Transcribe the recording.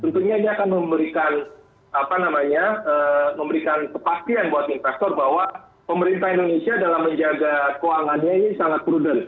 tentunya ini akan memberikan apa namanya memberikan kepastian buat investor bahwa pemerintah indonesia dalam menjaga keuangannya ini sangat prudent